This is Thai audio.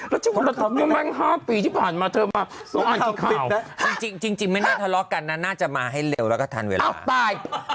แล้วเธอมาอ่านคุณสองข่าวติดนะจริงไม่น่าทะเลาะกันนะน่าจะมาให้เร็วแล้วก็ทันเวลา